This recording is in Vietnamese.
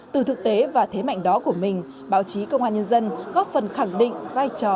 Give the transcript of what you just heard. từ thực tế và thế mạnh đó của mình báo chí công an nhân dân góp phần khẳng định vai trò